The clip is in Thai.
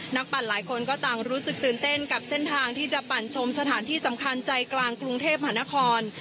ปั่นหลายคนก็ต่างรู้สึกตื่นเต้นกับเส้นทางที่จะปั่นชมสถานที่สำคัญใจกลางกรุงเทพมหานคร